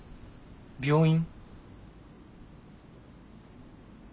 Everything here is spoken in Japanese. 病院？